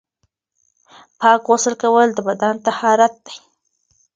پاک غسل کول د بدن طهارت دی.